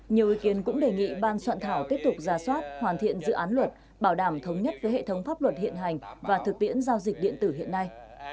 nhiều ý kiến cũng đề nghị ban soạn thảo tiếp tục ra soát hoàn thiện dự án luật bảo đảm thống nhất với hệ thống pháp luật hiện hành và thực tiễn giao dịch điện tử hiện nay